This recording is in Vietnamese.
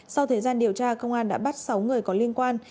sau thời gian điều tra công an đã bắt sáu người có liên quan